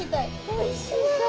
おいしそう。